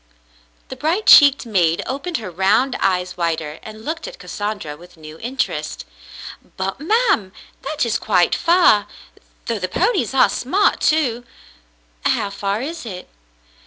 The bright cheeked maid opened her round eyes wider and looked at Cassandra with new interest. "But, ma'm, — that is quite far, though the ponies are smart, too." "How far is it?"